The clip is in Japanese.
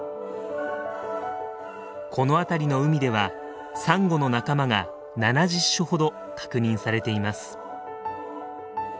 この辺りの海ではサンゴの仲間が７０種ほど確認されています。